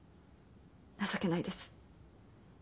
情けないです。